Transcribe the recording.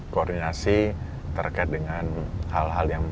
koordinasi terkait dengan hal hal yang